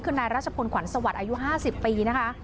คือนายรัชพลขวัญสวัสดิ์อายุ๕๐ปีนะคะ